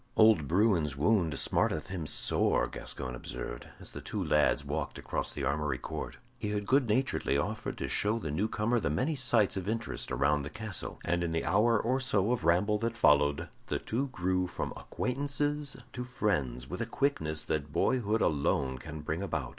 "Old Bruin's wound smarteth him sore," Gascoyne observed, as the two lads walked across the armory court. He had good naturedly offered to show the new comer the many sights of interest around the castle, and in the hour or so of ramble that followed, the two grew from acquaintances to friends with a quickness that boyhood alone can bring about.